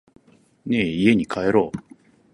ねぇ、家に帰ろう。